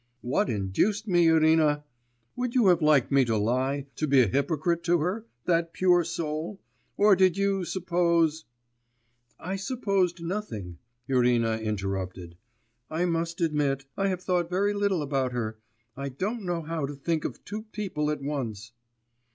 'What induced me, Irina! Would you have liked me to lie, to be a hypocrite to her, that pure soul? or did you suppose ' 'I supposed nothing,' Irina interrupted. 'I must admit I have thought very little about her. I don't know how to think of two people at once.